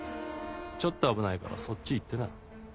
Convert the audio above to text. ちょっと危ないからそっち行ってな。